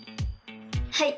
はい！